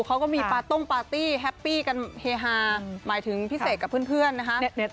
เขาก็มีต้งพาร์ที้แฮปปี้เฮฮ่าหมายถึงพี่เสกกับเพื่อนครันนะคะ